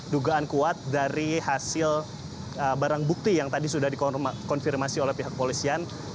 dugaan kuat dari hasil barang bukti yang tadi sudah dikonfirmasi oleh pihak polisian